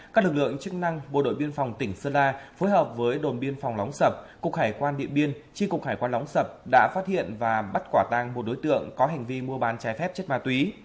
các lực lượng chức năng bộ đội biên phòng tỉnh sơn la phối hợp với đồn biên phòng lóng sập cục hải quan điện biên tri cục hải quan lóng sập đã phát hiện và bắt quả tang một đối tượng có hành vi mua bán trái phép chất ma túy